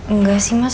enggak sih mas